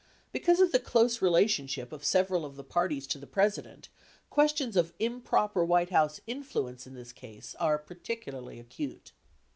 Because of the close relationship of several of the parties to the President, questions of improper White House influence in this case are particularly acute.